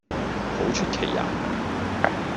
好出奇呀